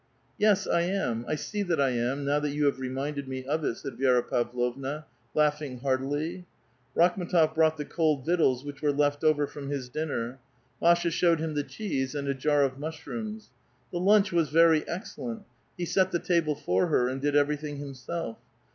*' Yes, I am ; I see that 1 am, now that you have reminded me of it," said Vi^ra Pavlovua, laughing heartily. Rakhm6tof brought the cold victuals which were left over from his dinner. Masha showed him the cheese, and a jar of mushrooms. The lunch was very excellent. He set the table for her, and did everything himself.